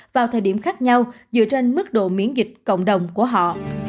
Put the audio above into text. vào thời điểm khác nhau dựa trên mức độ miễn dịch cộng đồng của họ